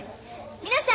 皆さん！